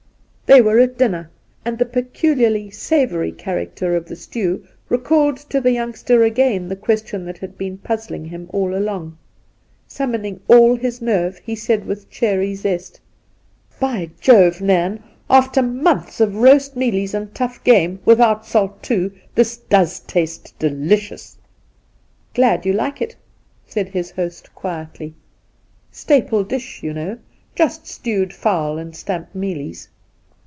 They were at dinner, and the peculiarly savoury character of the stew recalled to the youngster again the question that had been puzzling him all along. Summoning all his nerve, he said with cheery zest :' By Jove, Nairn, after months of roast mealies and tough game — without salt, too — this does taste delicious !'' Glad you like it,' said his host quietly. ' Staple Induna Nairn 93 dish, you know. Just stewed fowl and stamped mealies